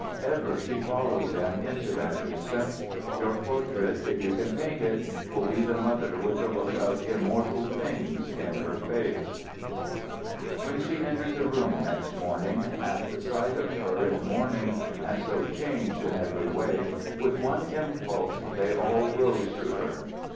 Ever she follows him into that distance. Your portrait, if you can paint it, will be the mother with the look of immortal things in her face." When she entered the room next morning, at the sight of her in mourning and so changed in every way, with one impulse they all rose to her.